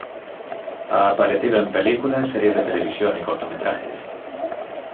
Ha aparecido en películas, series de televisión y cortometrajes.